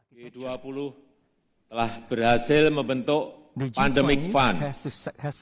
g dua puluh telah berhasil membentuk pandemic fund